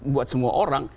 buat semua orang